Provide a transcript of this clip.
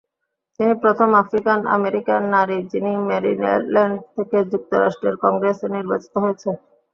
তিনি প্রথম আফ্রিকান-আমেরিকান নারী যিনি মেরিল্যান্ড থেকে যুক্তরাষ্ট্রের কংগ্রেসে নির্বাচিত হয়েছে।